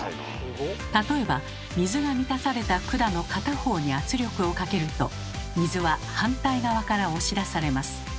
例えば水が満たされた管の片方に圧力をかけると水は反対側から押し出されます。